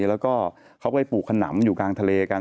แล้วก็เขาก็ไปปลูกขนำอยู่กลางทะเลกัน